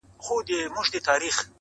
نه په ژوند کي د مرغانو غوښی خومه.!